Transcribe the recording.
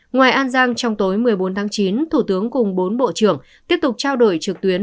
ngoài an giang trong tối một mươi bốn tháng chín thủ tướng cùng bốn bộ trưởng tiếp tục trao đổi trực tuyến